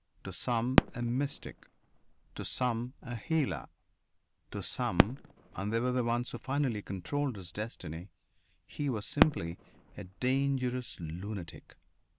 To some, a mystic. To some, a healer. To some and they were the ones who finally controlled his destiny he was simply a dangerous lunatic.